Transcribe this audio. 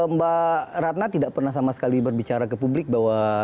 mbak ratna tidak pernah sama sekali berbicara ke publik bahwa